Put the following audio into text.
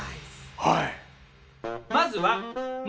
はい。